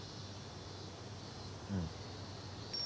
うん。